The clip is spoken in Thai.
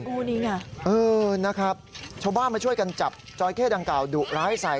คู่นี้ไงเออนะครับชาวบ้านมาช่วยกันจับจอยเข้ดังกล่าดุร้ายใส่